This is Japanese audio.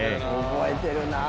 覚えてるなあ。